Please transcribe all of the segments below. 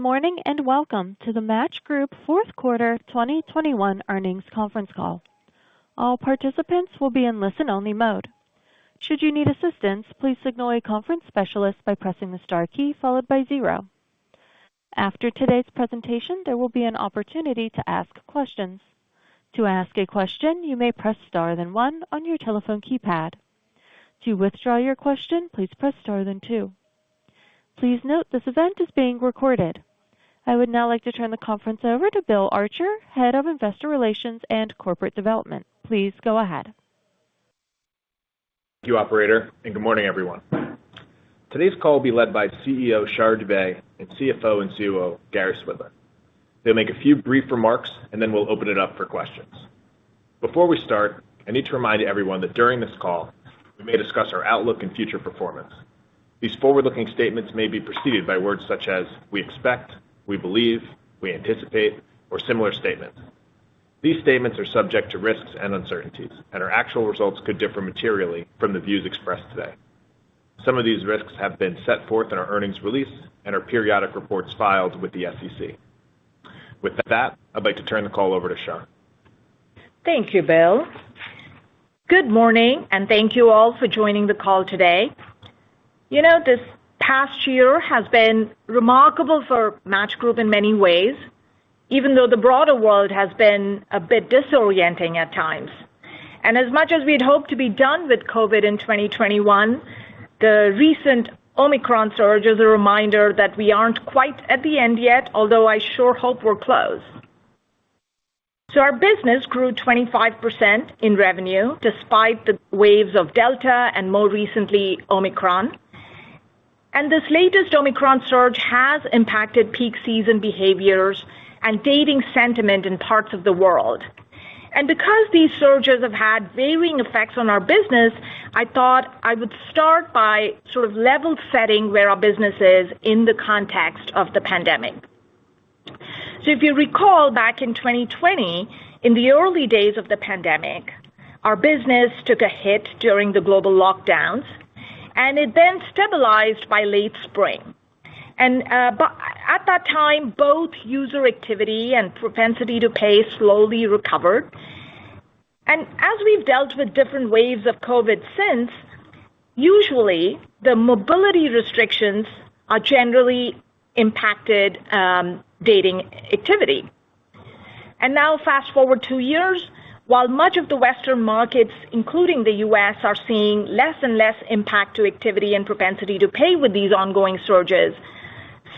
Good morning, and welcome to the Match Group fourth quarter 2021 earnings conference call. All participants will be in listen-only mode. Should you need assistance, please signal a conference specialist by pressing the star key followed by zero. After today's presentation, there will be an opportunity to ask questions. To ask a question, you may press star then one on your telephone keypad. To withdraw your question, please press star then two. Please note this event is being recorded. I would now like to turn the conference over to Bill Archer, Head of Investor Relations and Corporate Development. Please go ahead. Thank you, operator, and good morning, everyone. Today's call will be led by CEO Shar Dubey and CFO and COO Gary Swidler. They'll make a few brief remarks, and then we'll open it up for questions. Before we start, I need to remind everyone that during this call, we may discuss our outlook and future performance. These forward-looking statements may be perceived by words such as we expect, we believe, we anticipate, or similar statements. These statements are subject to risks and uncertainties, and our actual results could differ materially from the views expressed today. Some of these risks have been set forth in our earnings release and our periodic reports filed with the SEC. With that, I'd like to turn the call over to Thank you, Bill. Good morning, and thank you all for joining the call today. You know, this past year has been remarkable for Match Group in many ways, even though the broader world has been a bit disorienting at times. As much as we'd hoped to be done with COVID in 2021, the recent Omicron surge is a reminder that we aren't quite at the end yet, although I sure hope we're close. Our business grew 25% in revenue despite the waves of Delta and more recently, Omicron. This latest Omicron surge has impacted peak season behaviors and dating sentiment in parts of the world. Because these surges have had varying effects on our business, I thought I would start by sort of level setting where our business is in the context of the pandemic. If you recall back in 2020, in the early days of the pandemic, our business took a hit during the global lockdowns, and it then stabilized by late spring. At that time, both user activity and propensity to pay slowly recovered. As we've dealt with different waves of COVID since, usually the mobility restrictions generally impact dating activity. Now fast-forward two years, while much of the Western markets, including the U.S., are seeing less and less impact to activity and propensity to pay with these ongoing surges,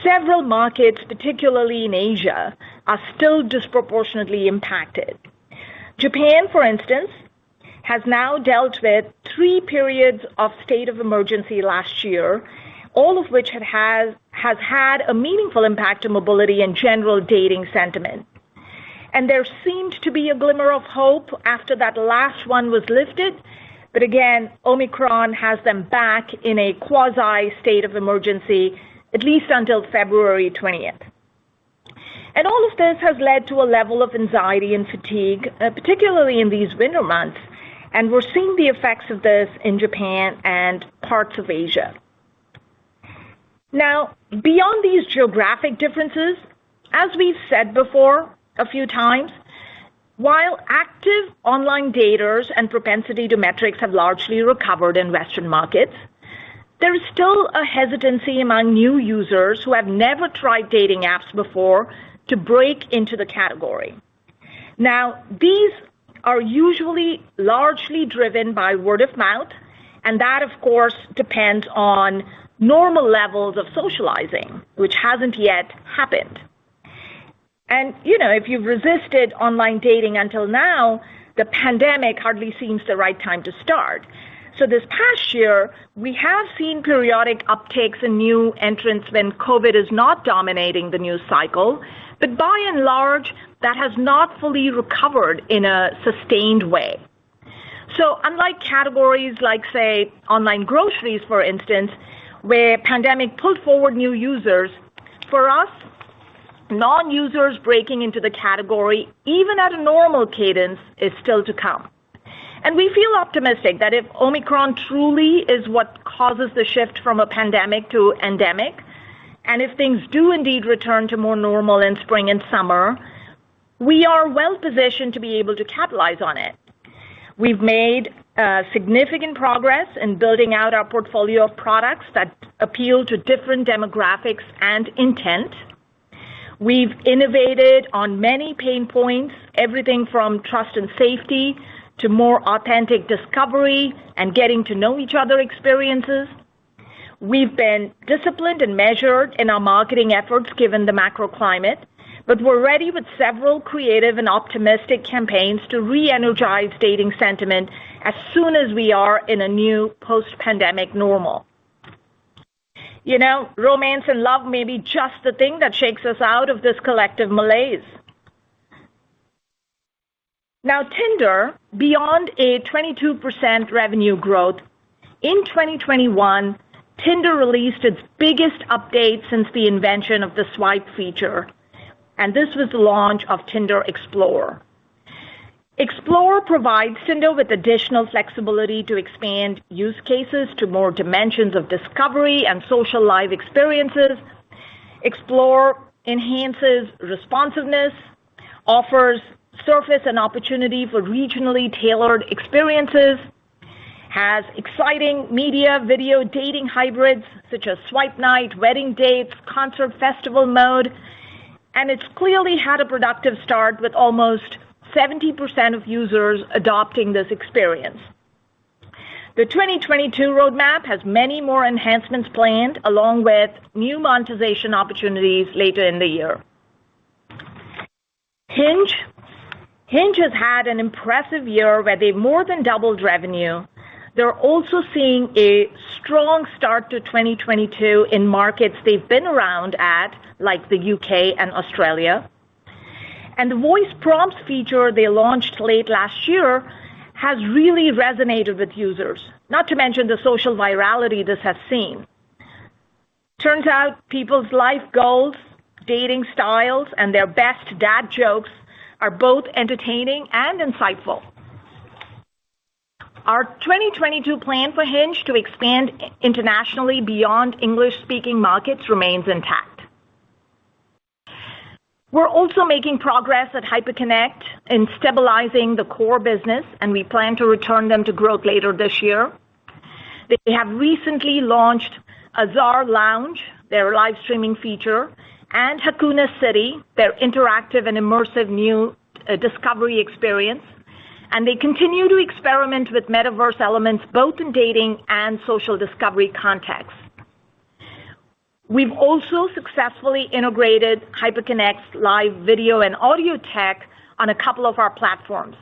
several markets, particularly in Asia, are still disproportionately impacted. Japan, for instance, has now dealt with three periods of state of emergency last year, all of which had a meaningful impact on mobility and general dating sentiment. There seemed to be a glimmer of hope after that last one was lifted. Again, Omicron has them back in a quasi state of emergency at least until February twentieth. All of this has led to a level of anxiety and fatigue, particularly in these winter months, and we're seeing the effects of this in Japan and parts of Asia. Now, beyond these geographic differences, as we've said before a few times, while active online daters and propensity-to-try metrics have largely recovered in Western markets, there is still a hesitancy among new users who have never tried dating apps before to break into the category. Now, these are usually largely driven by word of mouth, and that, of course, depends on normal levels of socializing, which hasn't yet happened. You know, if you've resisted online dating until now, the pandemic hardly seems the right time to start. This past year, we have seen periodic uptakes and new entrants when COVID is not dominating the news cycle, but by and large, that has not fully recovered in a sustained way. Unlike categories like, say, online groceries, for instance, where pandemic pulled forward new users, for us, non-users breaking into the category, even at a normal cadence, is still to come. We feel optimistic that if Omicron truly is what causes the shift from a pandemic to endemic, and if things do indeed return to more normal in spring and summer, we are well-positioned to be able to capitalize on it. We've made significant progress in building out our portfolio of products that appeal to different demographics and intent. We've innovated on many pain points, everything from trust and safety to more authentic discovery and getting to know each other experiences. We've been disciplined and measured in our marketing efforts given the macro climate, but we're ready with several creative and optimistic campaigns to re-energize dating sentiment as soon as we are in a new post-pandemic normal. You know, romance and love may be just the thing that shakes us out of this collective malaise. Now, Tinder, beyond a 22% revenue growth in 2021, Tinder released its biggest update since the invention of the swipe feature, and this was the launch of Tinder Explore. Explore provides singles with additional flexibility to expand use cases to more dimensions of discovery and social live experiences. Explore enhances responsiveness, offers surfacing and opportunity for regionally tailored experiences, has exciting media video dating hybrids such as Swipe Night, Wedding Dates, Festival Mode, and it's clearly had a productive start with almost 70% of users adopting this experience. The 2022 roadmap has many more enhancements planned, along with new monetization opportunities later in the year. Hinge has had an impressive year where they've more than doubled revenue. They're also seeing a strong start to 2022 in markets they've been around at, like the U.K. and Australia. The voice prompts feature they launched late last year has really resonated with users, not to mention the social virality this has seen. Turns out people's life goals, dating styles, and their best dad jokes are both entertaining and insightful. Our 2022 plan for Hinge to expand internationally beyond English-speaking markets remains intact. We're also making progress at Hyperconnect in stabilizing the core business, and we plan to return them to growth later this year. They have recently launched Azar Lounge, their live streaming feature, and Hakuna City, their interactive and immersive new discovery experience. They continue to experiment with Metaverse elements, both in dating and social discovery contexts. We've also successfully integrated Hyperconnect's live video and audio tech on a couple of our platforms,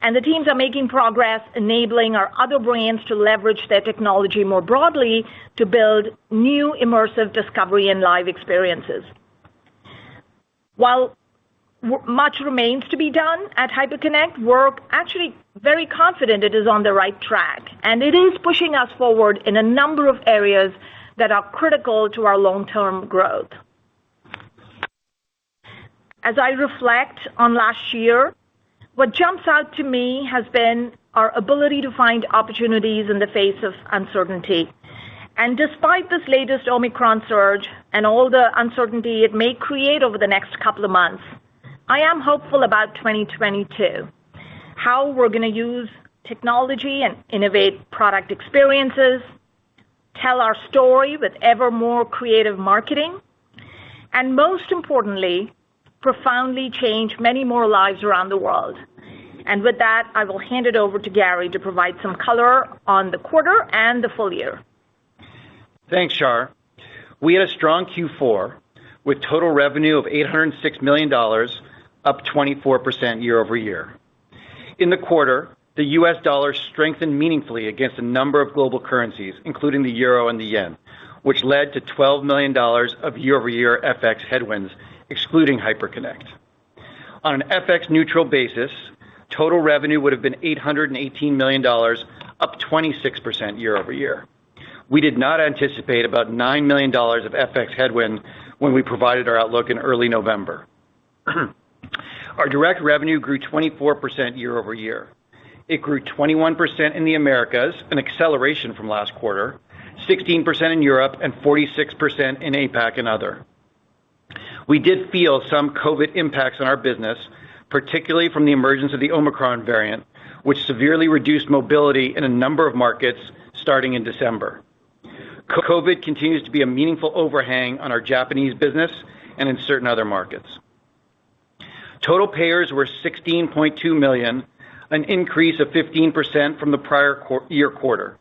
and the teams are making progress enabling our other brands to leverage their technology more broadly to build new immersive discovery and live experiences. While much remains to be done at Hyperconnect, we're actually very confident it is on the right track, and it is pushing us forward in a number of areas that are critical to our long-term growth. As I reflect on last year, what jumps out to me has been our ability to find opportunities in the face of uncertainty. Despite this latest Omicron surge and all the uncertainty it may create over the next couple of months, I am hopeful about 2022, how we're gonna use technology and innovate product experiences, tell our story with ever more creative marketing, and most importantly, profoundly change many more lives around the world. With that, I will hand it over to Gary to provide some color on the quarter and the full year. Thanks, Shar. We had a strong Q4 with total revenue of $806 million, up 24% year-over-year. In the quarter, the U.S. Dollar strengthened meaningfully against a number of global currencies, including the euro and the yen, which led to $12 million of year-over-year FX headwinds, excluding Hyperconnect. On an FX neutral basis, total revenue would have been $818 million, up 26% year-over-year. We did not anticipate about $9 million of FX headwind when we provided our outlook in early November. Our direct revenue grew 24% year-over-year. It grew 21% in the Americas, an acceleration from last quarter, 16% in Europe, and 46% in APAC and other. We did feel some COVID impacts on our business, particularly from the emergence of the Omicron variant, which severely reduced mobility in a number of markets starting in December. COVID continues to be a meaningful overhang on our Japanese business and in certain other markets. Total payers were 16.2 million, an increase of 15% from the prior year quarter.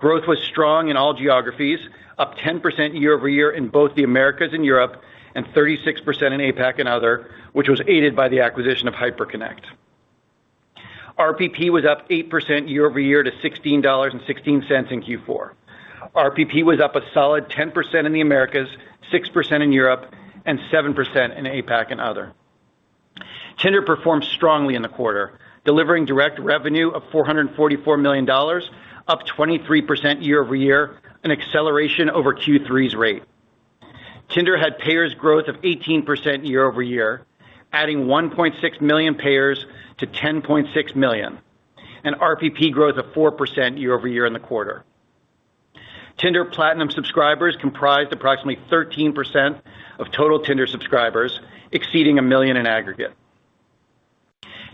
Growth was strong in all geographies, up 10% year-over-year in both the Americas and Europe, and 36% in APAC and other, which was aided by the acquisition of Hyperconnect. RPP was up 8% year-over-year to $16.16 in Q4. RPP was up a solid 10% in the Americas, 6% in Europe, and 7% in APAC and other. Tinder performed strongly in the quarter, delivering direct revenue of $444 million, up 23% year-over-year, an acceleration over Q3's rate. Tinder had payers growth of 18% year-over-year, adding 1.6 million payers to 10.6 million, and RPP growth of 4% year-over-year in the quarter. Tinder Platinum subscribers comprised approximately 13% of total Tinder subscribers, exceeding 1 million in aggregate.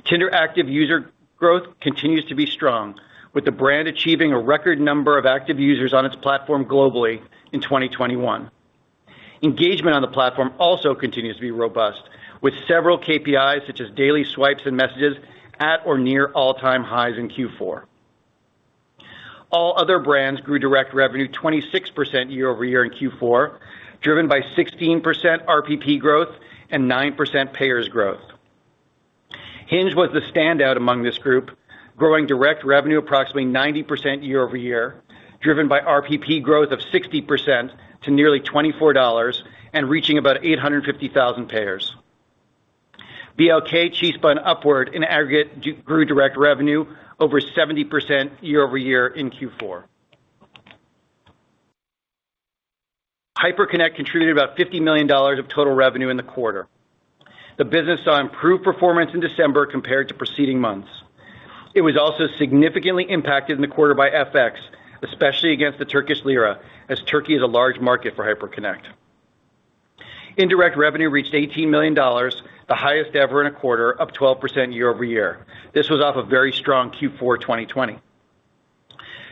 Tinder active user growth continues to be strong, with the brand achieving a record number of active users on its platform globally in 2021. Engagement on the platform also continues to be robust, with several KPIs such as daily swipes and messages at or near all-time highs in Q4. All other brands grew direct revenue 26% year-over-year in Q4, driven by 16% RPP growth and 9% payers growth. Hinge was the standout among this group, growing direct revenue approximately 90% year-over-year, driven by RPP growth of 60% to nearly $24 and reaching about 850,000 payers. BLK, Chispa and Upward in aggregate grew direct revenue over 70% year-over-year in Q4. Hyperconnect contributed about $50 million of total revenue in the quarter. The business saw improved performance in December compared to preceding months. It was also significantly impacted in the quarter by FX, especially against the Turkish lira, as Turkey is a large market for Hyperconnect. Indirect revenue reached $18 million, the highest ever in a quarter, up 12% year-over-year. This was off a very strong Q4 2020.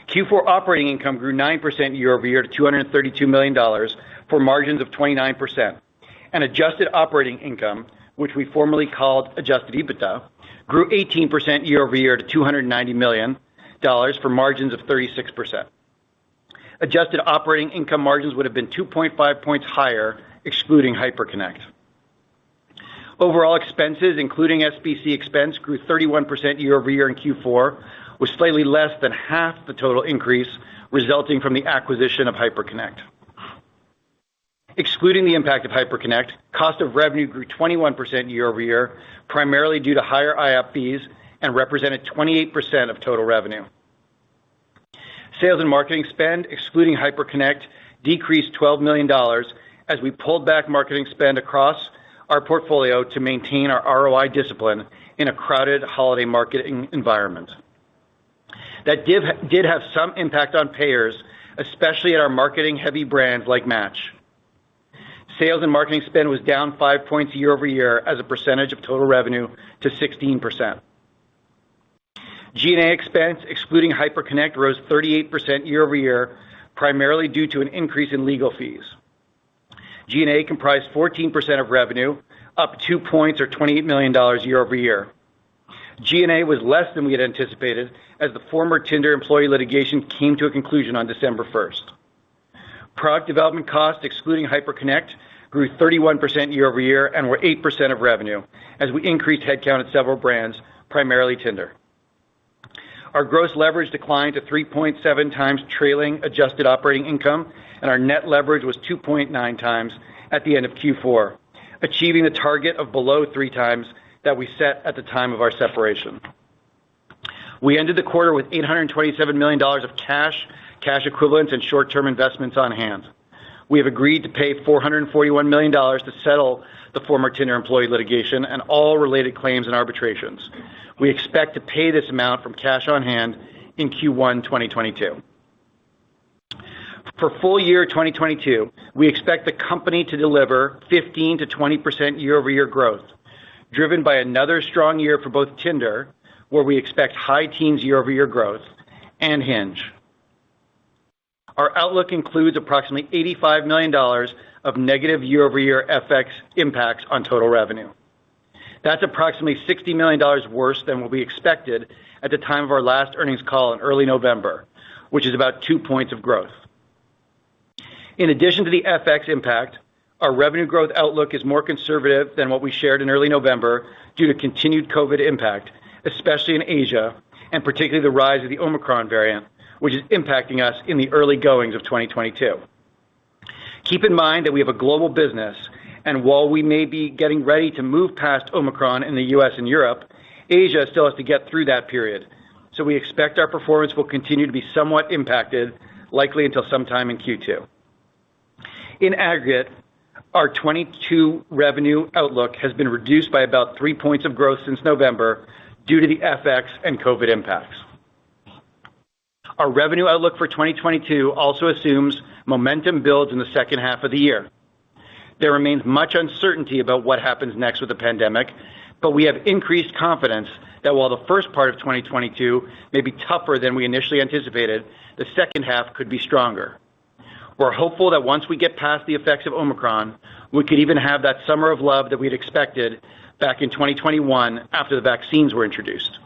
Q4 operating income grew 9% year-over-year to $232 million for margins of 29%. Adjusted operating income, which we formerly called adjusted EBITDA, grew 18% year-over-year to $290 million for margins of 36%. Adjusted operating income margins would've been 2.5 points higher excluding Hyperconnect. Overall expenses, including SBC expense, grew 31% year-over-year in Q4, with slightly less than half the total increase resulting from the acquisition of Hyperconnect. Excluding the impact of Hyperconnect, cost of revenue grew 21% year-over-year, primarily due to higher IAPs and represented 28% of total revenue. Sales and marketing spend, excluding Hyperconnect, decreased $12 million as we pulled back marketing spend across our portfolio to maintain our ROI discipline in a crowded holiday marketing environment. That did have some impact on payers, especially at our marketing-heavy brands like Match. Sales and marketing spend was down five points year-over-year as a percentage of total revenue to 16%. G&A expense, excluding Hyperconnect, rose 38% year-over-year, primarily due to an increase in legal fees. G&A comprised 14% of revenue, up two points or $28 million year-over-year. G&A was less than we had anticipated as the former Tinder employee litigation came to a conclusion on December first. Product development costs, excluding Hyperconnect, grew 31% year-over-year and were 8% of revenue as we increased headcount at several brands, primarily Tinder. Our gross leverage declined to 3.7x trailing adjusted operating income, and our net leverage was 2.9x at the end of Q4, achieving the target of below 3x that we set at the time of our separation. We ended the quarter with $827 million of cash equivalents, and short-term investments on hand. We have agreed to pay $441 million to settle the former Tinder employee litigation and all related claims and arbitrations. We expect to pay this amount from cash on hand in Q1 2022. For full year 2022, we expect the company to deliver 15%-20% year-over-year growth, driven by another strong year for both Tinder, where we expect high teens year-over-year growth, and Hinge. Our outlook includes approximately $85 million of negative year-over-year FX impacts on total revenue. That's approximately $60 million worse than what we expected at the time of our last earnings call in early November, which is about two points of growth. In addition to the FX impact, our revenue growth outlook is more conservative than what we shared in early November due to continued COVID impact, especially in Asia, and particularly the rise of the Omicron variant, which is impacting us in the early goings of 2022. Keep in mind that we have a global business, and while we may be getting ready to move past Omicron in the U.S. and Europe, Asia still has to get through that period, so we expect our performance will continue to be somewhat impacted, likely until sometime in Q2. In aggregate, our 2022 revenue outlook has been reduced by about three points of growth since November due to the FX and COVID impacts. Our revenue outlook for 2022 also assumes momentum builds in the second half of the year. There remains much uncertainty about what happens next with the pandemic, but we have increased confidence that while the first part of 2022 may be tougher than we initially anticipated, the second half could be stronger. We're hopeful that once we get past the effects of Omicron, we could even have that summer of love that we'd expected back in 2021 after the vaccines were introduced.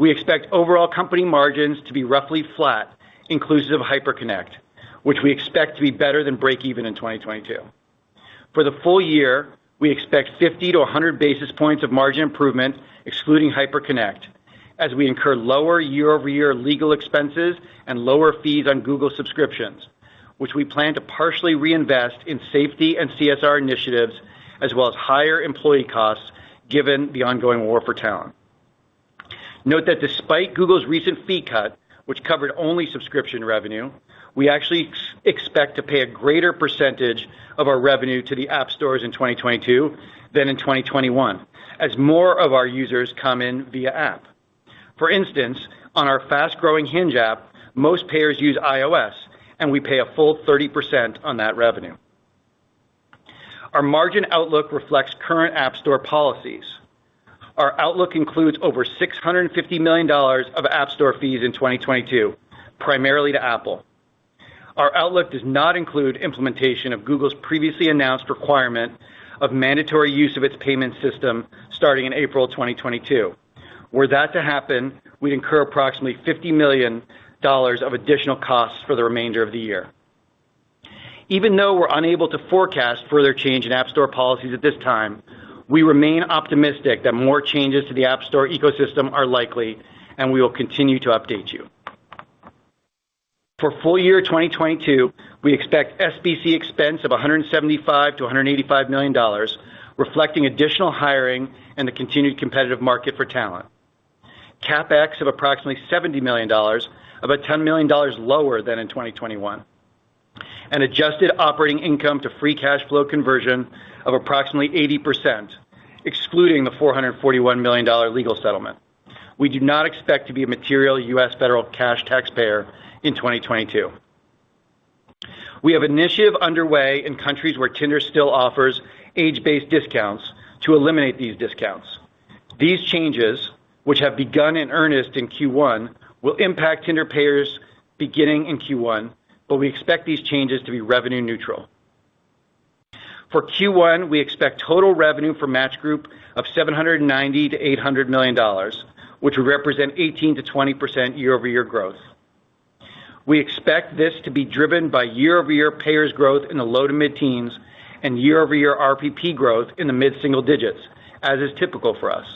We expect overall company margins to be roughly flat, inclusive of Hyperconnect, which we expect to be better than breakeven in 2022. For the full year, we expect 50-100 basis points of margin improvement, excluding Hyperconnect, as we incur lower year-over-year legal expenses and lower fees on Google subscriptions, which we plan to partially reinvest in safety and CSR initiatives, as well as higher employee costs, given the ongoing war for talent. Note that despite Google's recent fee cut, which covered only subscription revenue, we actually expect to pay a greater percentage of our revenue to the App Stores in 2022 than in 2021 as more of our users come in via app. For instance, on our fast-growing Hinge app, most payers use iOS, and we pay a full 30% on that revenue. Our margin outlook reflects current App Store policies. Our outlook includes over $650 million of App Store fees in 2022, primarily to Apple. Our outlook does not include implementation of Google's previously announced requirement of mandatory use of its payment system starting in April of 2022. Were that to happen, we'd incur approximately $50 million of additional costs for the remainder of the year. Even though we're unable to forecast further change in App Store policies at this time, we remain optimistic that more changes to the App Store ecosystem are likely, and we will continue to update you. For full year 2022, we expect SBC expense of 175 million-$185 million, reflecting additional hiring and the continued competitive market for talent. CapEx of approximately $70 million, about $10 million lower than in 2021. An adjusted operating income to free cash flow conversion of approximately 80%, excluding the $441 million legal settlement. We do not expect to be a material U.S. federal cash taxpayer in 2022. We have initiative underway in countries where Tinder still offers age-based discounts to eliminate these discounts. These changes, which have begun in earnest in Q1, will impact Tinder payers beginning in Q1, but we expect these changes to be revenue neutral. For Q1, we expect total revenue for Match Group of $790 million-$800 million, which would represent 18%-20% year-over-year growth. We expect this to be driven by year-over-year payers growth in the low to mid-teens and year-over-year RPP growth in the mid-single digits, as is typical for us.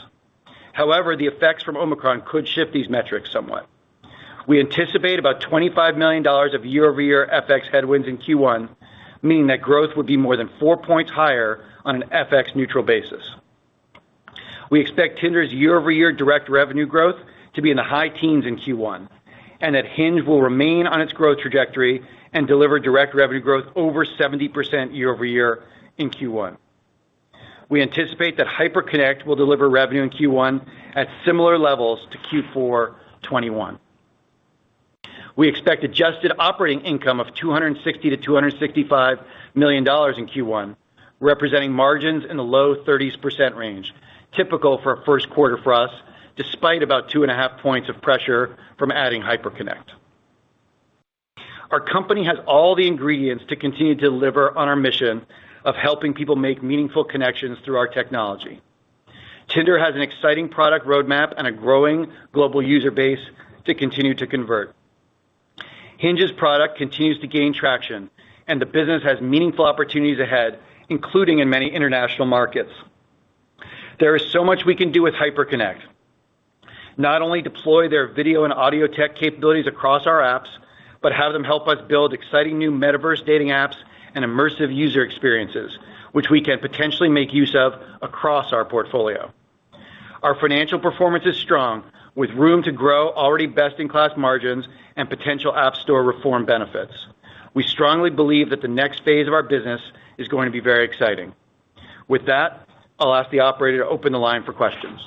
However, the effects from Omicron could shift these metrics somewhat. We anticipate about $25 million of year-over-year FX headwinds in Q1, meaning that growth would be more than four points higher on an FX neutral basis. We expect Tinder's year-over-year direct revenue growth to be in the high teens in Q1, and that Hinge will remain on its growth trajectory and deliver direct revenue growth over 70% year over year in Q1. We anticipate that Hyperconnect will deliver revenue in Q1 at similar levels to Q4 2021. We expect adjusted operating income of 260 million-$265 million in Q1, representing margins in the low thirties % range, typical for a first quarter for us, despite about 2.5 points of pressure from adding Hyperconnect. Our company has all the ingredients to continue to deliver on our mission of helping people make meaningful connections through our technology. Tinder has an exciting product roadmap and a growing global user base to continue to convert. Hinge's product continues to gain traction, and the business has meaningful opportunities ahead, including in many international markets. There is so much we can do with Hyperconnect. Not only deploy their video and audio tech capabilities across our apps, but have them help us build exciting new Metaverse dating apps and immersive user experiences, which we can potentially make use of across our portfolio. Our financial performance is strong, with room to grow already best-in-class margins and potential app store reform benefits. We strongly believe that the next phase of our business is going to be very exciting. With that, I'll ask the operator to open the line for questions.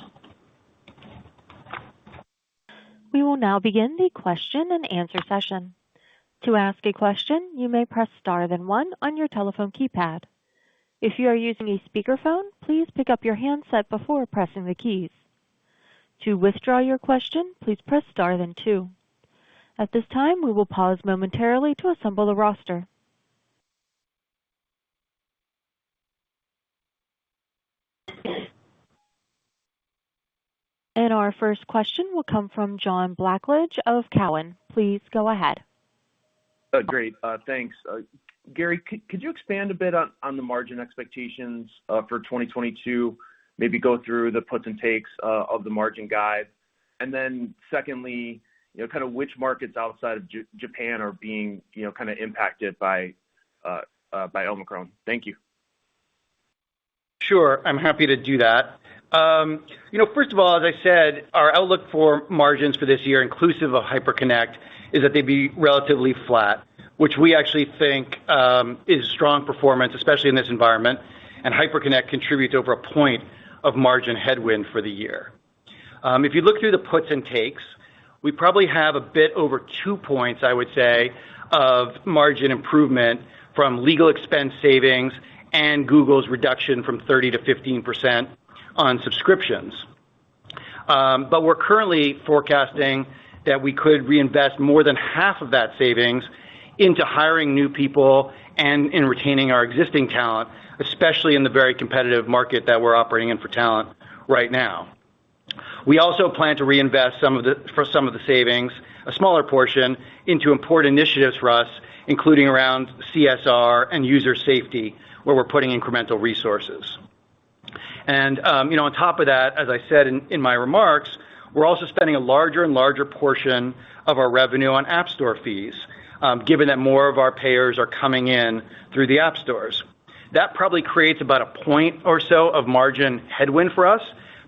We will now begin the question and answer session. To ask a question, you may press star then one on your telephone keypad. If you are using a speakerphone, please pick up your handset before pressing the keys. To withdraw your question, please press star then two. At this time, we will pause momentarily to assemble the roster. Our first question will come from John Blackledge of Cowen. Please go ahead. Great. Thanks. Gary, could you expand a bit on the margin expectations for 2022? Maybe go through the puts and takes of the margin guide. Then secondly, you know, kind of which markets outside of Japan are being, you know, kinda impacted by Omicron? Thank you. Sure, I'm happy to do that. You know, first of all, as I said, our outlook for margins for this year, inclusive of Hyperconnect, is that they'd be relatively flat, which we actually think is strong performance, especially in this environment, and Hyperconnect contributes over a point of margin headwind for the year. If you look through the puts and takes, we probably have a bit over two points, I would say, of margin improvement from legal expense savings and Google's reduction from 30%-15% on subscriptions. We're currently forecasting that we could reinvest more than half of that savings into hiring new people and in retaining our existing talent, especially in the very competitive market that we're operating in for talent right now. We also plan to reinvest some of the savings, a smaller portion, into important initiatives for us, including around CSR and user safety, where we're putting incremental resources. On top of that, as I said in my remarks, we're also spending a larger and larger portion of our revenue on App Store fees, given that more of our payers are coming in through the App Stores. That probably creates about a point or so of margin headwind for us,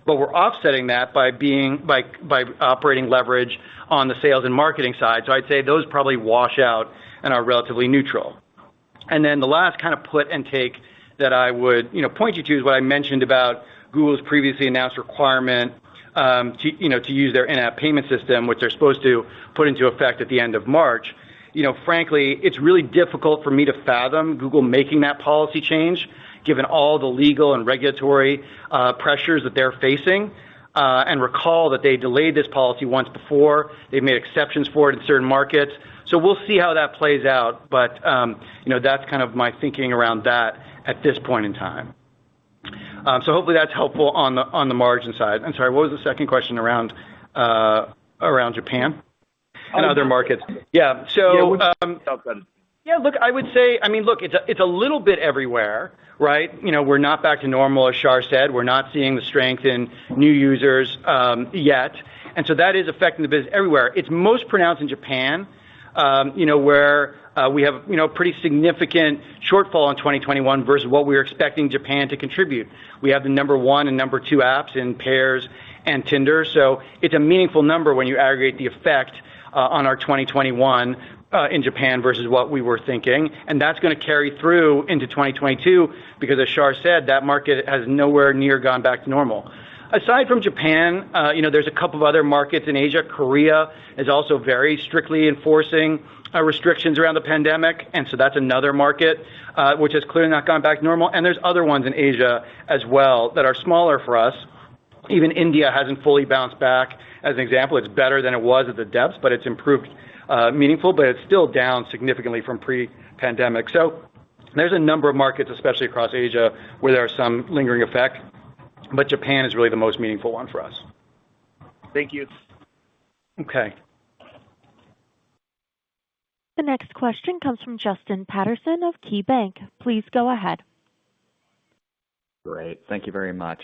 but we're offsetting that by operating leverage on the sales and marketing side. I'd say those probably wash out and are relatively neutral. Then the last kind of put and take that I would point you to is what I mentioned about Google's previously announced requirement to use their in-app payment system, which they're supposed to put into effect at the end of March. Frankly, it's really difficult for me to fathom Google making that policy change given all the legal and regulatory pressures that they're facing. Recall that they delayed this policy once before. They've made exceptions for it in certain markets. We'll see how that plays out. That's kind of my thinking around that at this point in time. Hopefully that's helpful on the margin side. I'm sorry, what was the second question around Japan and other markets? Yeah. Sounds good. Yeah, look, I would say, I mean, look, it's a little bit everywhere, right? You know, we're not back to normal, as Shar said. We're not seeing the strength in new users, yet. That is affecting the business everywhere. It's most pronounced in Japan. You know, where we have, you know, pretty significant shortfall in 2021 versus what we were expecting Japan to contribute. We have the number one and number two apps in Pairs and Tinder. So it's a meaningful number when you aggregate the effect on our 2021 in Japan versus what we were thinking. That's gonna carry through into 2022 because as Shar said, that market has nowhere near gone back to normal. Aside from Japan, you know, there's a couple of other markets in Asia. Korea is also very strictly enforcing restrictions around the pandemic, and so that's another market which has clearly not gone back to normal. There's other ones in Asia as well that are smaller for us. Even India hasn't fully bounced back as an example. It's better than it was at the depths, but it's improved meaningfully, but it's still down significantly from pre-pandemic. There's a number of markets, especially across Asia, where there are some lingering effects, but Japan is really the most meaningful one for us. Thank you. Okay. The next question comes from Justin Patterson of KeyBanc. Please go ahead. Great. Thank you very much.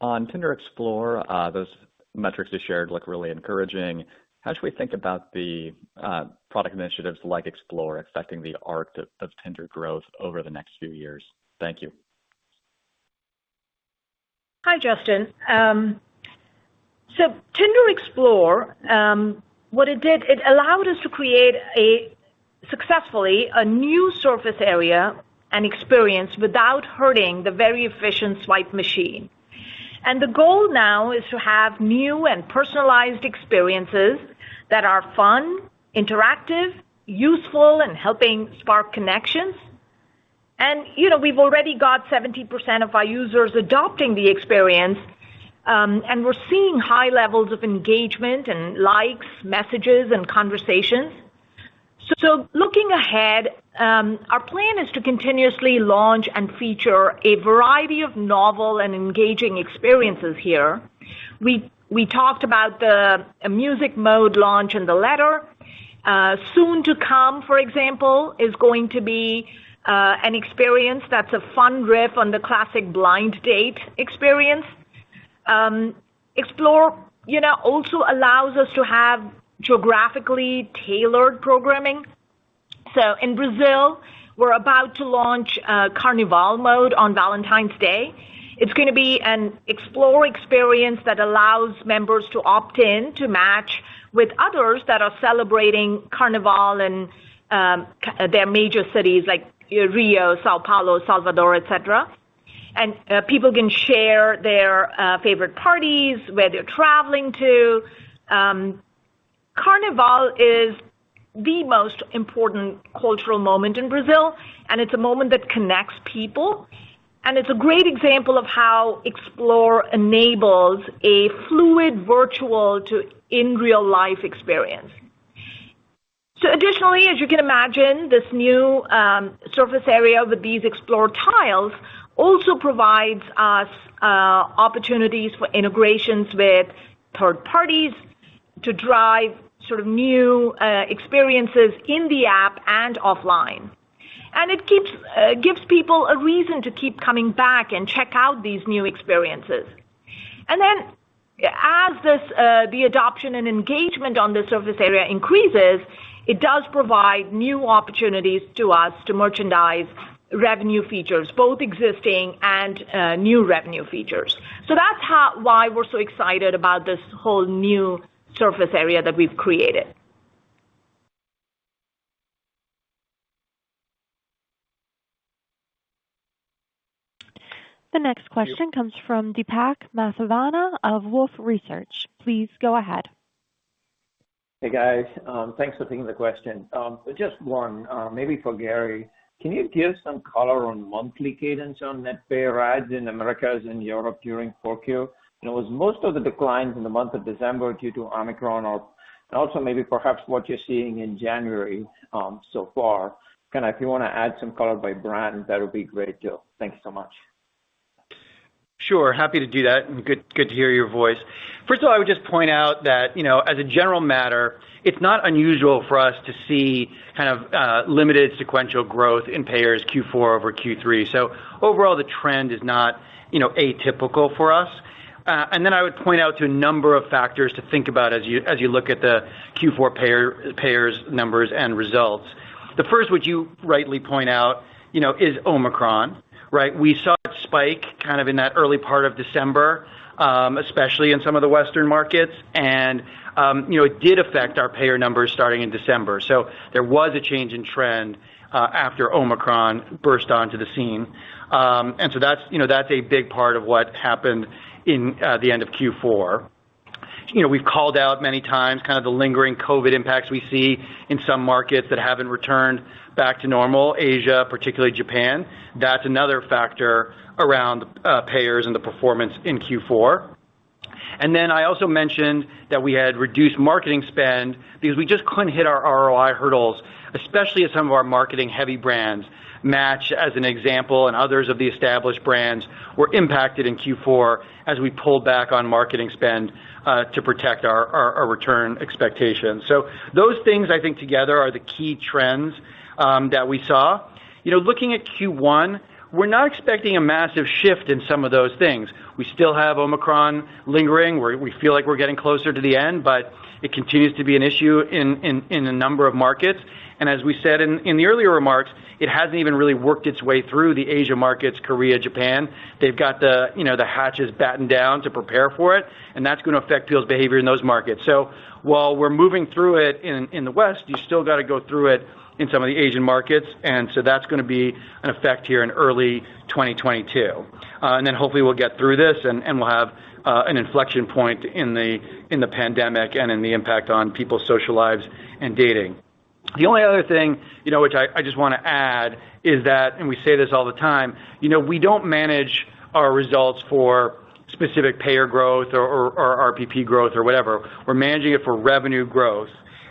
On Tinder Explore, those metrics you shared look really encouraging. How should we think about the product initiatives like Explore affecting the arc of Tinder growth over the next few years? Thank you. Hi, Justin. Tinder Explore, what it did, it allowed us to create a successful new surface area and experience without hurting the very efficient swipe machine. The goal now is to have new and personalized experiences that are fun, interactive, useful, and helping spark connections. You know, we've already got 70% of our users adopting the experience, and we're seeing high levels of engagement and likes, messages and conversations. Looking ahead, our plan is to continuously launch and feature a variety of novel and engaging experiences here. We talked about the Music Mode launch in the letter. Soon to come, for example, is going to be an experience that's a fun riff on the classic Blind Date experience. Explore, you know, also allows us to have geographically tailored programming. In Brazil, we're about to launch Carnival Mode on Valentine's Day. It's gonna be an Explore experience that allows members to opt in to match with others that are celebrating Carnival in their major cities like Rio, São Paulo, Salvador, et cetera. People can share their favorite parties, where they're traveling to. Carnival is the most important cultural moment in Brazil, and it's a moment that connects people. It's a great example of how Explore enables a fluid virtual to in-real-life experience. Additionally, as you can imagine, this new surface area with these Explore tiles also provides us opportunities for integrations with third parties to drive sort of new experiences in the app and offline. It gives people a reason to keep coming back and check out these new experiences. As this adoption and engagement on the surface area increases, it does provide new opportunities to us to merchandise revenue features, both existing and new revenue features. That's why we're so excited about this whole new surface area that we've created. The next question comes from Deepak Mathivanan of Wolfe Research. Please go ahead. Hey, guys. Thanks for taking the question. So just one, maybe for Gary. Can you give some color on monthly cadence on net payer adds in Americas and Europe during Q4? And was most of the declines in the month of December due to Omicron, and also maybe perhaps what you're seeing in January, so far. Kinda if you wanna add some color by brand, that would be great, too. Thank you so much. Sure. Happy to do that, good to hear your voice. First of all, I would just point out that, you know, as a general matter, it's not unusual for us to see kind of limited sequential growth in payers Q4 over Q3. Overall, the trend is not, you know, atypical for us. I would point out to a number of factors to think about as you look at the Q4 payers numbers and results. The first, which you rightly point out, you know, is Omicron, right? We saw it spike kind of in that early part of December, especially in some of the Western markets. You know, it did affect our payer numbers starting in December. There was a change in trend after Omicron burst onto the scene. That's, you know, a big part of what happened in the end of Q4. You know, we've called out many times kind of the lingering COVID impacts we see in some markets that haven't returned back to normal. Asia, particularly Japan. That's another factor around payers and the performance in Q4. Then I also mentioned that we had reduced marketing spend because we just couldn't hit our ROI hurdles, especially at some of our marketing-heavy brands. Match, as an example, and others of the established brands were impacted in Q4 as we pulled back on marketing spend to protect our return expectations. Those things, I think together are the key trends that we saw. You know, looking at Q1, we're not expecting a massive shift in some of those things. We still have Omicron lingering. We feel like we're getting closer to the end, but it continues to be an issue in a number of markets. As we said in the earlier remarks, it hasn't even really worked its way through the Asia markets, Korea, Japan. They've got the, you know, the hatches batten down to prepare for it, and that's going to affect people's behavior in those markets. While we're moving through it in the West, you still got to go through it in some of the Asian markets, and so that's going to be an effect here in early 2022. Hopefully we'll get through this and we'll have an inflection point in the pandemic and in the impact on people's social lives and dating. The only other thing, you know, which I just want to add is that, and we say this all the time, you know, we don't manage our results for specific payer growth or RPP growth or whatever. We're managing it for revenue growth.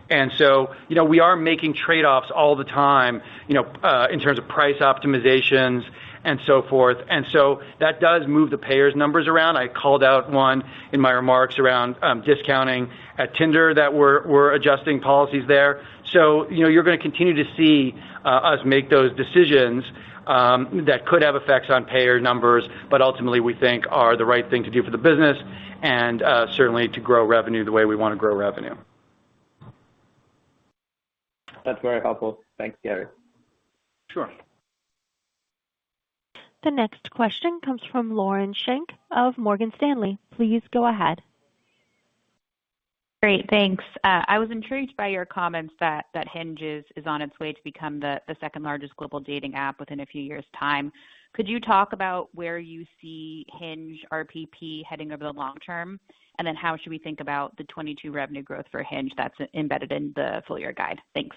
You know, we are making trade-offs all the time, you know, in terms of price optimizations and so forth. That does move the payer numbers around. I called out one in my remarks around discounting at Tinder that we're adjusting policies there. You know, you're going to continue to see us make those decisions that could have effects on payer numbers, but ultimately, we think are the right thing to do for the business and certainly to grow revenue the way we want to grow revenue. That's very helpful. Thanks, Gary. Sure. The next question comes from Lauren Schenk of Morgan Stanley. Please go ahead. Great. Thanks. I was intrigued by your comments that Hinge is on its way to become the second-largest global dating app within a few years' time. Could you talk about where you see Hinge RPP heading over the long term? How should we think about the 22% revenue growth for Hinge that's embedded in the full year guide? Thanks.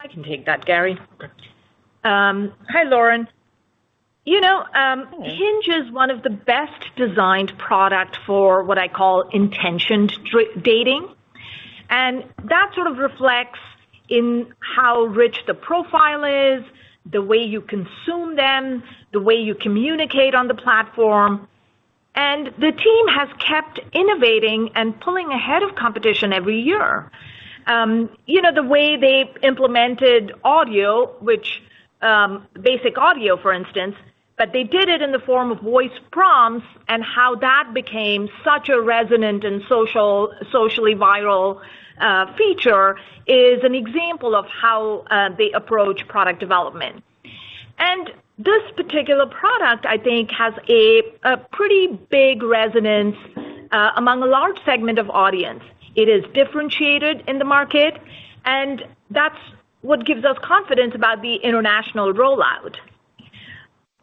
I can take that, Gary. Okay. Hi, Lauren. You know, Hinge is one of the best designed product for what I call intentional dating. That sort of reflects in how rich the profile is, the way you consume them, the way you communicate on the platform. The team has kept innovating and pulling ahead of competition every year. You know, the way they've implemented audio, which, basic audio, for instance, but they did it in the form of Voice Prompts and how that became such a resonant and socially viral feature is an example of how they approach product development. This particular product, I think, has a pretty big resonance among a large segment of audience. It is differentiated in the market, and that's what gives us confidence about the international rollout.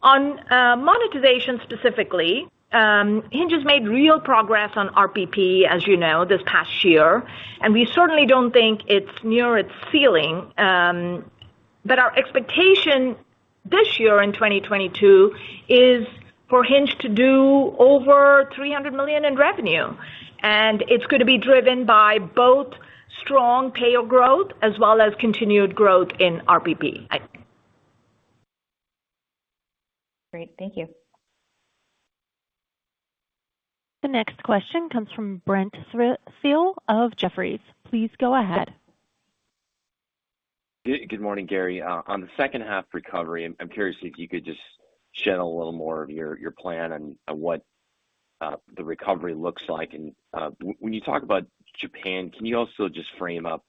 On monetization specifically, Hinge has made real progress on RPP, as you know, this past year, and we certainly don't think it's near its ceiling. Our expectation this year in 2022 is for Hinge to do over $300 million in revenue. It's going to be driven by both strong payer growth as well as continued growth in RPP. Great. Thank you. The next question comes from Brent Thill of Jefferies. Please go ahead. Good morning, Gary. On the second half recovery, I'm curious if you could just shed a little more of your plan on what the recovery looks like. When you talk about Japan, can you also just frame up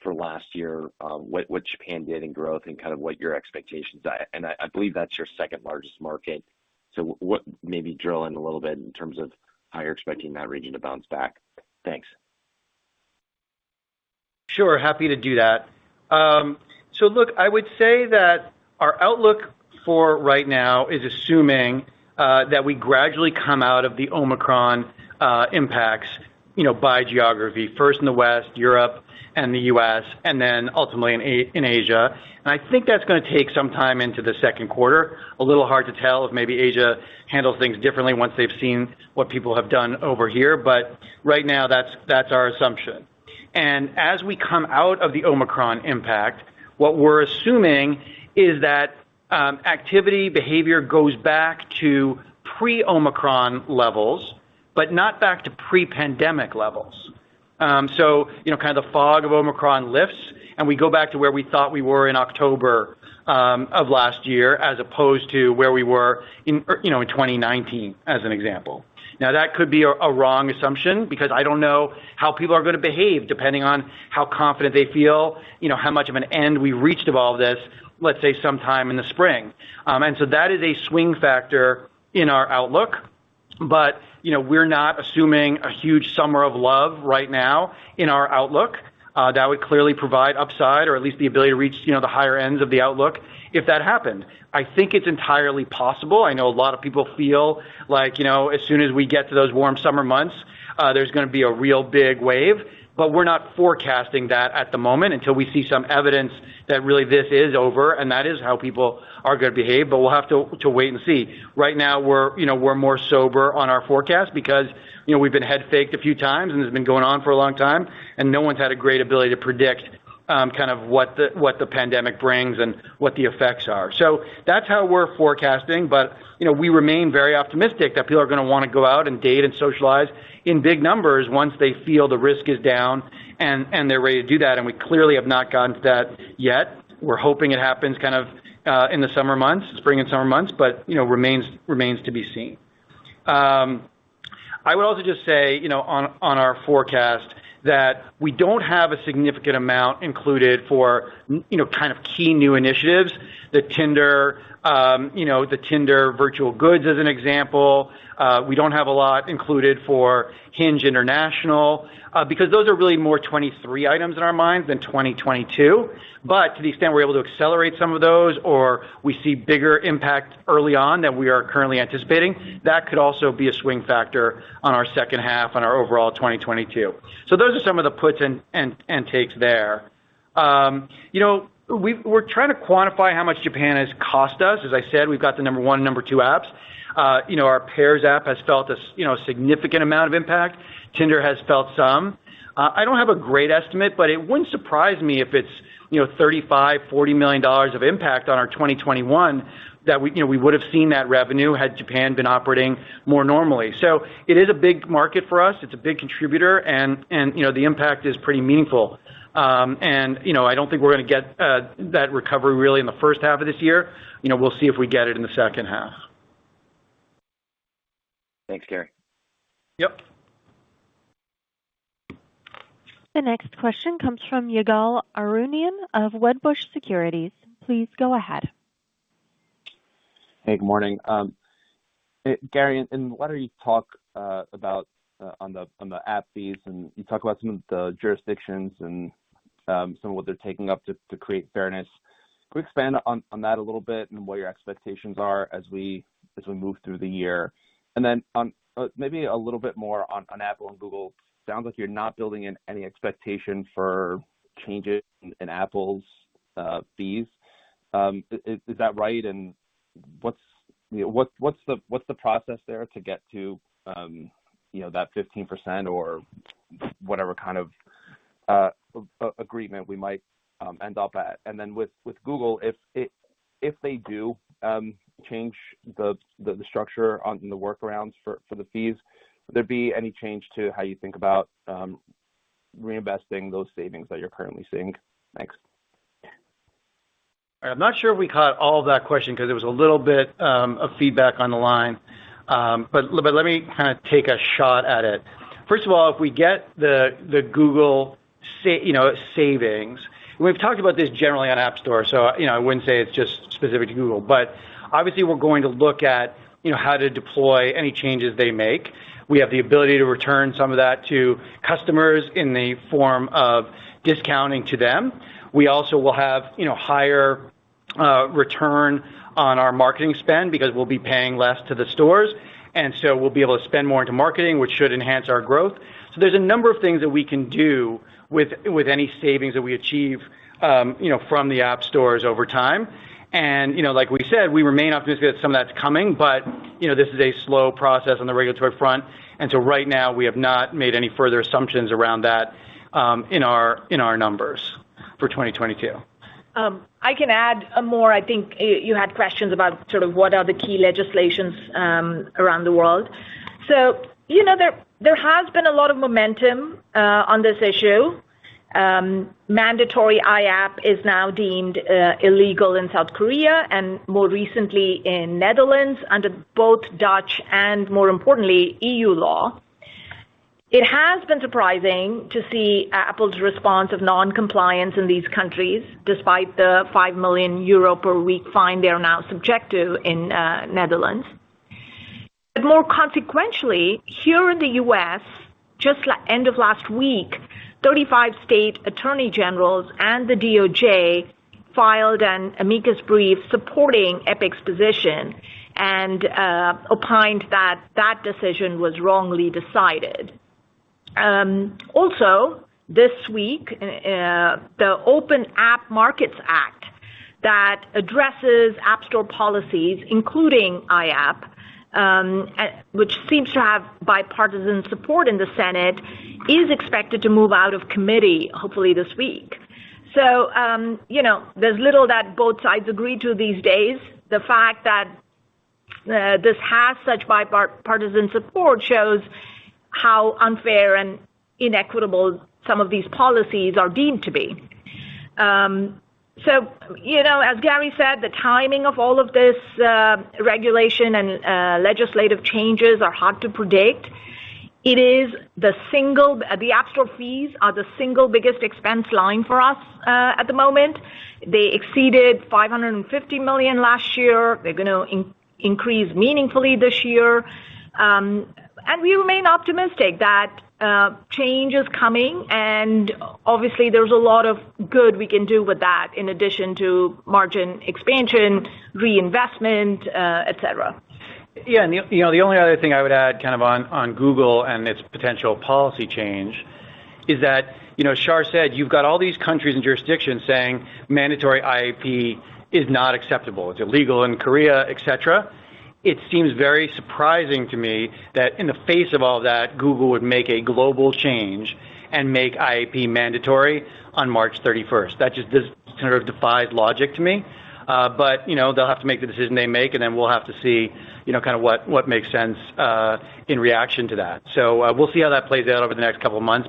for last year, what Japan did in growth and kind of what your expectations are? I believe that's your second-largest market. So maybe drill in a little bit in terms of how you're expecting that region to bounce back. Thanks. Sure. Happy to do that. So look, I would say that our outlook for right now is assuming that we gradually come out of the Omicron impacts, you know, by geography, first in the West, Europe and the U.S., and then ultimately in Asia. I think that's gonna take some time into the second quarter. It's a little hard to tell if maybe Asia handles things differently once they've seen what people have done over here. But right now, that's our assumption. As we come out of the Omicron impact, what we're assuming is that activity behavior goes back to pre-Omicron levels, but not back to pre-pandemic levels. You know, kind of the fog of Omicron lifts, and we go back to where we thought we were in October of last year, as opposed to where we were in, you know, in 2019, as an example. Now, that could be a wrong assumption because I don't know how people are gonna behave depending on how confident they feel, you know, how much of an end we reached of all this, let's say, sometime in the spring. That is a swing factor in our outlook. You know, we're not assuming a huge summer of love right now in our outlook. That would clearly provide upside or at least the ability to reach, you know, the higher ends of the outlook if that happened. I think it's entirely possible. I know a lot of people feel like, you know, as soon as we get to those warm summer months, there's gonna be a real big wave, but we're not forecasting that at the moment until we see some evidence that really this is over and that is how people are gonna behave. We'll have to wait and see. Right now we're, you know, more sober on our forecast because, you know, we've been head faked a few times, and it's been going on for a long time, and no one's had a great ability to predict, kind of what the pandemic brings and what the effects are. That's how we're forecasting. You know, we remain very optimistic that people are gonna wanna go out and date and socialize in big numbers once they feel the risk is down and they're ready to do that, and we clearly have not gotten to that yet. We're hoping it happens kind of in the summer months, spring and summer months, you know, remains to be seen. I would also just say, you know, on our forecast that we don't have a significant amount included for, you know, kind of key new initiatives. The Tinder virtual goods, as an example. We don't have a lot included for Hinge International, because those are really more 2023 items in our minds than 2022. To the extent we're able to accelerate some of those or we see bigger impact early on than we are currently anticipating, that could also be a swing factor on our second half on our overall 2022. Those are some of the puts and takes there. You know, we're trying to quantify how much Japan has cost us. As I said, we've got the number one and number two apps. You know, our Pairs app has felt you know, a significant amount of impact. Tinder has felt some. I don't have a great estimate, but it wouldn't surprise me if it's, you know, $35 million-$40 million of impact on our 2021 that we, you know, we would have seen that revenue had Japan been operating more normally. It is a big market for us. It's a big contributor. You know, the impact is pretty meaningful. You know, I don't think we're gonna get that recovery really in the first half of this year. You know, we'll see if we get it in the second half. Thanks, Gary. Yep. The next question comes from Ygal Arounian of Wedbush Securities. Please go ahead. Hey, good morning. Gary, in the letter you talk about the app fees, and you talk about some of the jurisdictions and some of what they're taking up to create fairness. Could we expand on that a little bit and what your expectations are as we move through the year? Then maybe a little bit more on Apple and Google. Sounds like you're not building in any expectation for changes in Apple's fees. Is that right? What's the process there to get to that 15% or whatever kind of agreement we might end up at? With Google, if they do change the structure on the workarounds for the fees, would there be any change to how you think about reinvesting those savings that you're currently seeing? Thanks. I'm not sure we caught all of that question 'cause there was a little bit of feedback on the line. Let me kind of take a shot at it. First of all, if we get the Google savings. We've talked about this generally on App Store, so you know, I wouldn't say it's just specific to Google, but obviously we're going to look at you know, how to deploy any changes they make. We have the ability to return some of that to customers in the form of discounting to them. We also will have you know, higher return on our marketing spend because we'll be paying less to the stores, and so we'll be able to spend more into marketing, which should enhance our growth. There's a number of things that we can do with any savings that we achieve, you know, from the app stores over time. You know, like we said, we remain optimistic that some of that's coming. You know, this is a slow process on the regulatory front. Right now we have not made any further assumptions around that, in our numbers for 2022. I can add more. I think you had questions about sort of what are the key legislations around the world. You know, there has been a lot of momentum on this issue. Mandatory IAP is now deemed illegal in South Korea and more recently in the Netherlands under both Dutch and, more importantly, EU law. It has been surprising to see Apple's response of non-compliance in these countries, despite the 5 million euro per week fine they are now subject to in the Netherlands. More consequentially, here in the U.S., just end of last week, 35 state attorney generals and the DOJ filed an amicus brief supporting Epic's position and opined that decision was wrongly decided. Also this week, the Open App Markets Act that addresses App Store policies, including IAP, which seems to have bipartisan support in the Senate, is expected to move out of committee hopefully this week. You know, there's little that both sides agree to these days. The fact that this has such bipartisan support shows how unfair and inequitable some of these policies are deemed to be. You know, as Gary said, the timing of all of this regulation and legislative changes are hard to predict. The App Store fees are the single biggest expense line for us at the moment. They exceeded $550 million last year. They're gonna increase meaningfully this year. We remain optimistic that change is coming. Obviously there's a lot of good we can do with that in addition to margin expansion, reinvestment, et cetera. The only other thing I would add kind of on Google and its potential policy change is that, you know, Shar said you've got all these countries and jurisdictions saying mandatory IAP is not acceptable. It's illegal in Korea, et cetera. It seems very surprising to me that in the face of all that, Google would make a global change and make IAP mandatory on March 31. That just kind of defies logic to me. You know, they'll have to make the decision they make, and then we'll have to see, you know, kind of what makes sense in reaction to that. We'll see how that plays out over the next couple of months.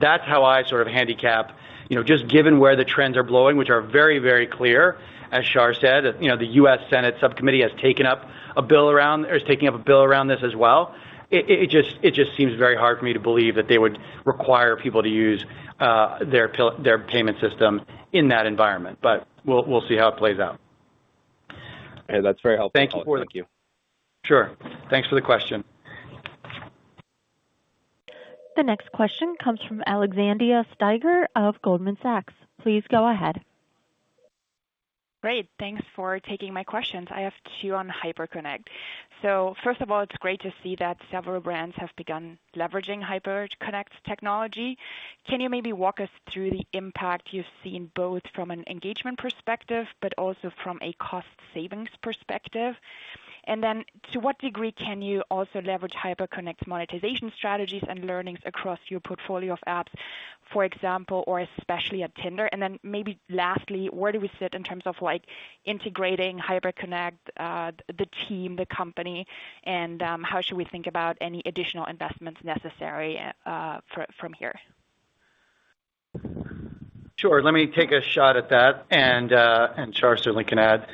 That's how I sort of handicap, you know, just given where the winds are blowing, which are very, very clear. As Shar said, you know, the U.S. Senate subcommittee has taken up or is taking up a bill around this as well. It just seems very hard for me to believe that they would require people to use their payment system in that environment. We'll see how it plays out. Okay. That's very helpful. Thank you for the. Thank you. Sure. Thanks for the question. The next question comes from Alexandra Steiger of Goldman Sachs. Please go ahead. Great. Thanks for taking my questions. I have two on Hyperconnect. First of all, it's great to see that several brands have begun leveraging Hyperconnect's technology. Can you maybe walk us through the impact you've seen both from an engagement perspective but also from a cost savings perspective? And then to what degree can you also leverage Hyperconnect's monetization strategies and learnings across your portfolio of apps, for example, or especially at Tinder? And then maybe lastly, where do we sit in terms of, like, integrating Hyperconnect, the team, the company, and how should we think about any additional investments necessary, from here? Sure. Let me take a shot at that. Shar certainly can add.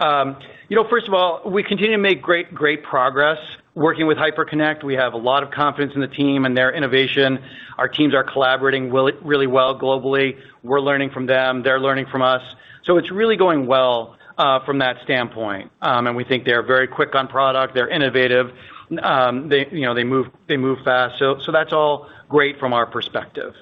You know, first of all, we continue to make great progress working with Hyperconnect. We have a lot of confidence in the team and their innovation. Our teams are collaborating really well globally. We're learning from them. They're learning from us. It's really going well from that standpoint. We think they're very quick on product. They're innovative. You know, they move fast. That's all great from our perspective.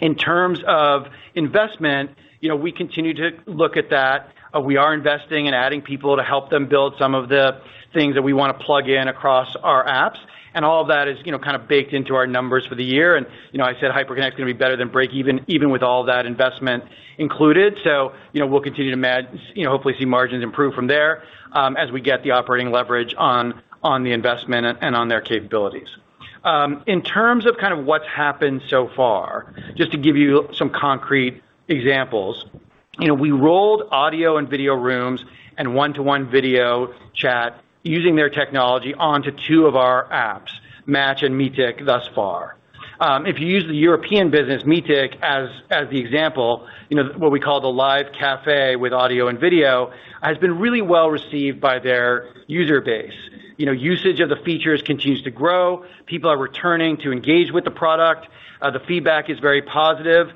In terms of investment, you know, we continue to look at that. We are investing and adding people to help them build some of the things that we wanna plug in across our apps. All of that is, you know, kind of baked into our numbers for the year. You know, I said Hyperconnect is gonna be better than break even with all that investment included. You know, we'll continue to you know, hopefully see margins improve from there, as we get the operating leverage on the investment and on their capabilities. In terms of kind of what's happened so far, just to give you some concrete examples. You know, we rolled audio and video rooms and one-to-one video chat using their technology onto two of our apps, Match and Meetic thus far. If you use the European business, Meetic, as the example, you know, what we call the Live Café with audio and video has been really well received by their user base. You know, usage of the features continues to grow. People are returning to engage with the product. The feedback is very positive.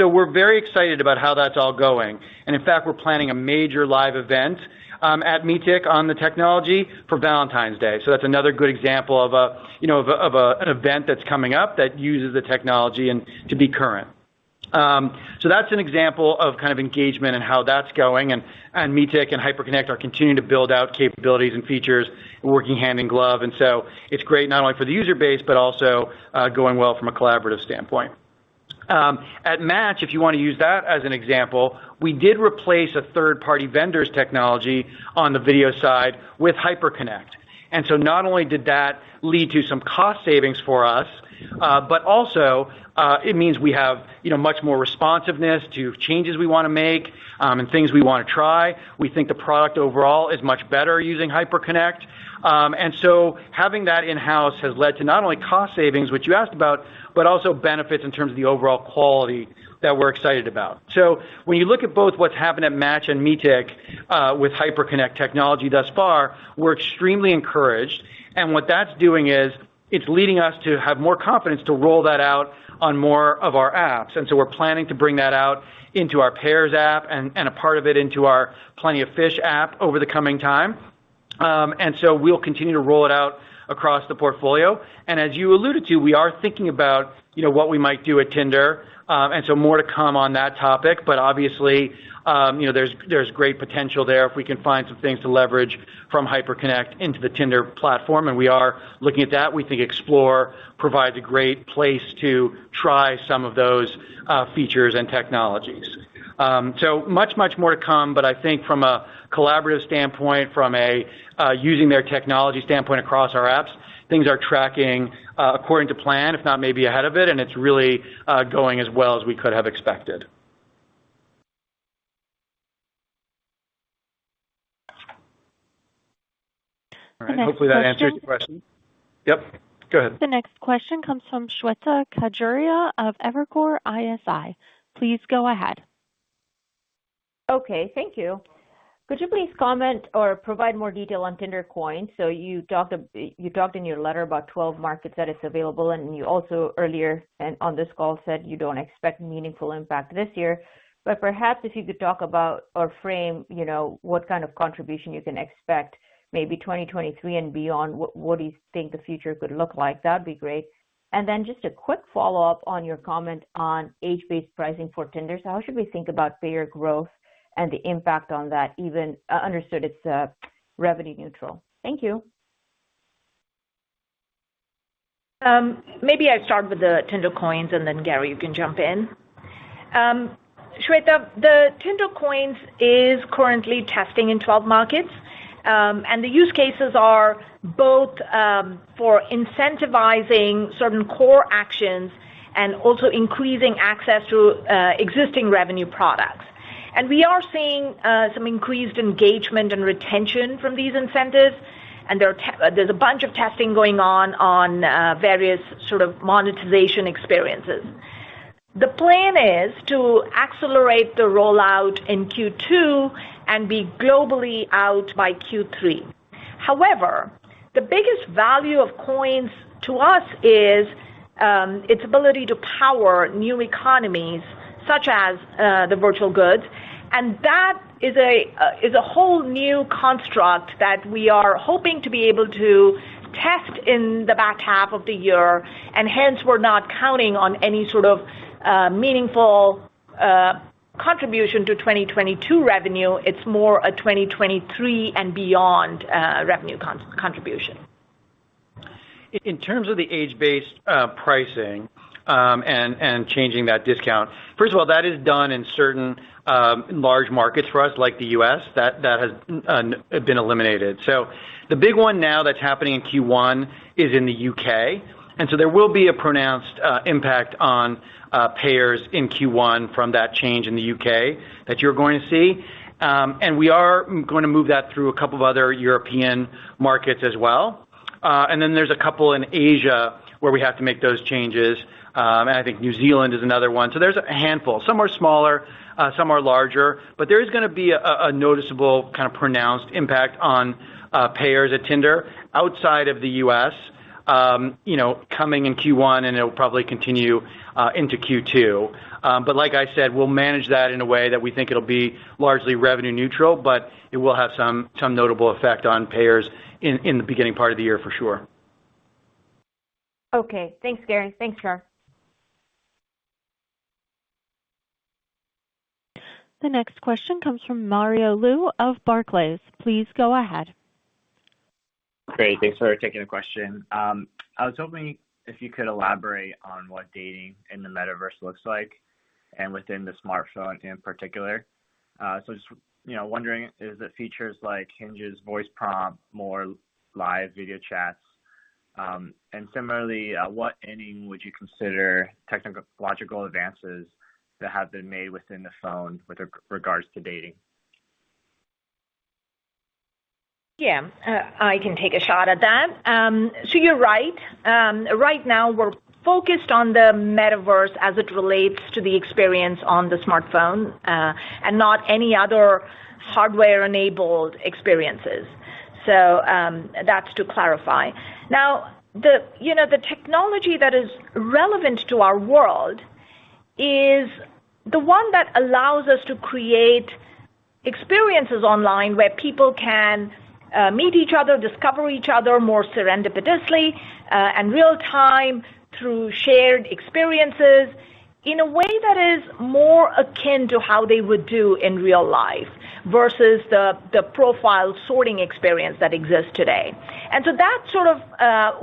We're very excited about how that's all going. In fact, we're planning a major live event at Meetic on the technology for Valentine's Day. That's another good example of a you know an event that's coming up that uses the technology and to be current. That's an example of kind of engagement and how that's going. Meetic and Hyperconnect are continuing to build out capabilities and features working hand in glove. It's great not only for the user base, but also going well from a collaborative standpoint. At Match, if you wanna use that as an example, we did replace a third-party vendor's technology on the video side with Hyperconnect. Not only did that lead to some cost savings for us, but also, it means we have, you know, much more responsiveness to changes we wanna make, and things we wanna try. We think the product overall is much better using Hyperconnect. Having that in-house has led to not only cost savings, which you asked about, but also benefits in terms of the overall quality that we're excited about. When you look at both what's happened at Match and Meetic, with Hyperconnect technology thus far, we're extremely encouraged. What that's doing is it's leading us to have more confidence to roll that out on more of our apps. We're planning to bring that out into our Pairs app and a part of it into our Plenty of Fish app over the coming time. We'll continue to roll it out across the portfolio. As you alluded to, we are thinking about, you know, what we might do at Tinder. More to come on that topic. Obviously, you know, there's great potential there if we can find some things to leverage from Hyperconnect into the Tinder platform. We are looking at that. We think Explore provides a great place to try some of those features and technologies. Much more to come. I think from a collaborative standpoint, from a using their technology standpoint across our apps, things are tracking according to plan, if not maybe ahead of it, and it's really going as well as we could have expected. The next question. All right. Hopefully that answers your question. Yep. Go ahead. The next question comes from Shweta Khajuria Khajuria of Evercore ISI. Please go ahead. Okay. Thank you. Could you please comment or provide more detail on Tinder Coin? You talked in your letter about 12 markets that it's available, and you also earlier and on this call said you don't expect meaningful impact this year. Perhaps if you could talk about or frame, you know, what kind of contribution you can expect maybe 2023 and beyond, what do you think the future could look like? That'd be great. Just a quick follow-up on your comment on age-based pricing for Tinder. How should we think about payer growth and the impact on that even understood it's revenue neutral. Thank you. Maybe I'd start with the Tinder Coins and then Gary, you can jump in. Shweta Khajuria, the Tinder Coins is currently testing in 12 markets. The use cases are both for incentivizing certain core actions and also increasing access to existing revenue products. We are seeing some increased engagement and retention from these incentives. There's a bunch of testing going on various sort of monetization experiences. The plan is to accelerate the rollout in Q2 and be globally out by Q3. However, the biggest value of coins to us is its ability to power new economies such as the virtual goods. That is a whole new construct that we are hoping to be able to test in the back half of the year, and hence we're not counting on any sort of meaningful contribution to 2022 revenue. It's more a 2023 and beyond revenue contribution. In terms of the age-based pricing and changing that discount, first of all, that is done in certain large markets for us, like the U.S. that has been eliminated. The big one now that's happening in Q1 is in the U.K., and there will be a pronounced impact on payers in Q1 from that change in the U.K. that you're going to see. We are gonna move that through a couple of other European markets as well. Then there's a couple in Asia where we have to make those changes. I think New Zealand is another one. There's a handful. Some are smaller, some are larger. There is gonna be a noticeable kind of pronounced impact on payers at Tinder outside of the U.S., you know, coming in Q1 and it'll probably continue into Q2. Like I said, we'll manage that in a way that we think it'll be largely revenue neutral, but it will have some notable effect on payers in the beginning part of the year for sure. Okay. Thanks, Gary. Thanks, Shar. The next question comes from Mario Lu of Barclays. Please go ahead. Great. Thanks for taking the question. I was hoping if you could elaborate on what dating in the Metaverse looks like and within the smartphone in particular. Just, you know, wondering is it features like Hinge's voice prompt, more live video chats? Similarly, what, if any, would you consider technological advances that have been made within the phone with regards to dating? Yeah. I can take a shot at that. So you're right. Right now we're focused on the Metaverse as it relates to the experience on the smartphone, and not any other hardware-enabled experiences. So, that's to clarify. Now, you know, the technology that is relevant to our world is the one that allows us to create experiences online where people can meet each other, discover each other more serendipitously, in real time through shared experiences in a way that is more akin to how they would do in real life versus the profile sorting experience that exists today. That's sort of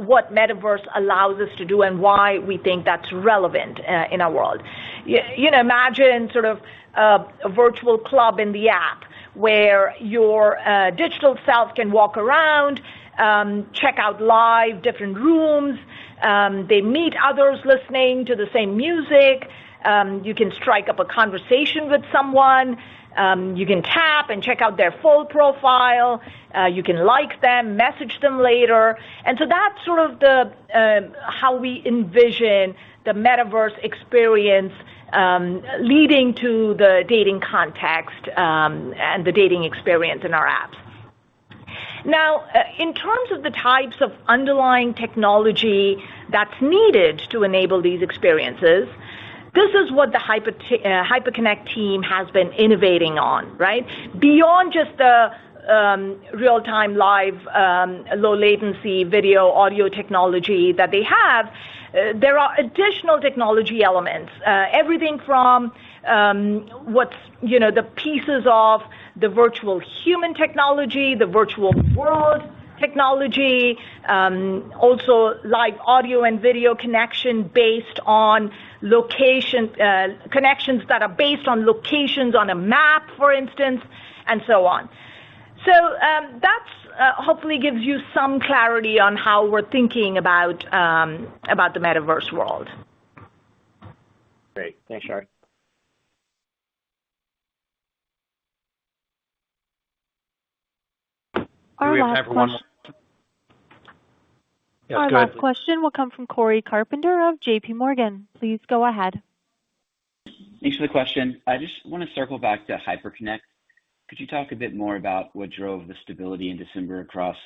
what Metaverse allows us to do and why we think that's relevant in our world. You know, imagine sort of a virtual club in the app where your digital self can walk around, check out live different rooms, they meet others listening to the same music, you can strike up a conversation with someone, you can tap and check out their full profile, you can like them, message them later. That's sort of how we envision the Metaverse experience leading to the dating context and the dating experience in our apps. Now, in terms of the types of underlying technology that's needed to enable these experiences, this is what the Hyperconnect team has been innovating on, right? Beyond just the real-time live low latency video audio technology that they have, there are additional technology elements. Everything from, you know, the pieces of the virtual human technology, the virtual world technology, also live audio and video connection based on location, connections that are based on locations on a map, for instance, and so on. That's hopefully gives you some clarity on how we're thinking about the Metaverse world. Great. Thanks, Shar. Our last question. Do we have time for one more? Our last question will come from Cory Carpenter of J.P. Morgan. Please go ahead. Thanks for the question. I just wanna circle back to Hyperconnect. Could you talk a bit more about what drove the stability in December across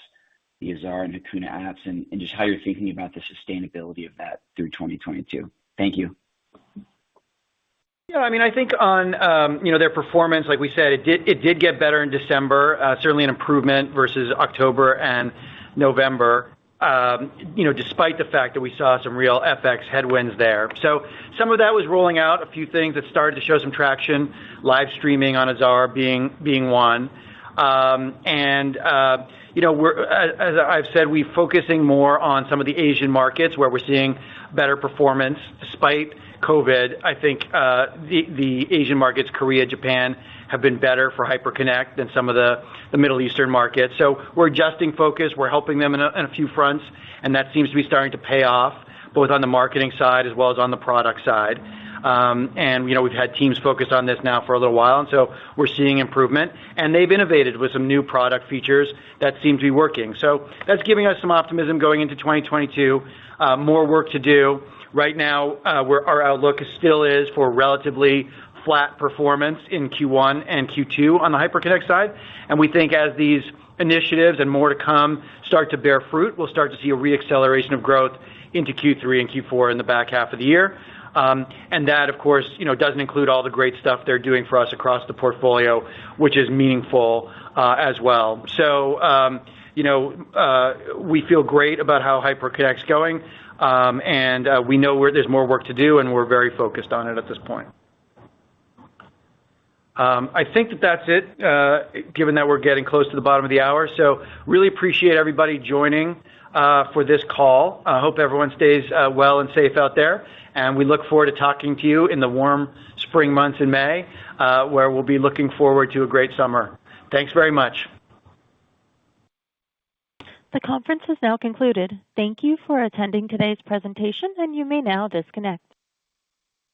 the Azar and Hakuna apps and just how you're thinking about the sustainability of that through 2022? Thank you. Yeah, I mean, I think, on you know, their performance, like we said, it did get better in December, certainly an improvement versus October and November, you know, despite the fact that we saw some real FX headwinds there. Some of that was rolling out a few things that started to show some traction, live streaming on Azar being one. You know, as I've said, we're focusing more on some of the Asian markets where we're seeing better performance despite COVID. I think the Asian markets, Korea, Japan, have been better for Hyperconnect than some of the Middle Eastern markets. We're adjusting focus. We're helping them in a few fronts, and that seems to be starting to pay off, both on the marketing side as well as on the product side. You know, we've had teams focused on this now for a little while, and so we're seeing improvement. They've innovated with some new product features that seem to be working. That's giving us some optimism going into 2022. More work to do. Right now, where our outlook still is for relatively flat performance in Q1 and Q2 on the Hyperconnect side. We think as these initiatives and more to come start to bear fruit, we'll start to see a re-acceleration of growth into Q3 and Q4 in the back half of the year. That, of course, you know, doesn't include all the great stuff they're doing for us across the portfolio, which is meaningful, as well. You know, we feel great about how Hyperconnect's going, and we know where there's more work to do, and we're very focused on it at this point. I think that that's it, given that we're getting close to the bottom of the hour. Really appreciate everybody joining for this call. I hope everyone stays well and safe out there, and we look forward to talking to you in the warm spring months in May, where we'll be looking forward to a great summer. Thanks very much. The conference is now concluded. Thank you for attending today's presentation, and you may now disconnect.